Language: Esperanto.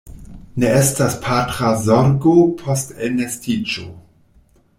Ne estas patra zorgo post elnestiĝo.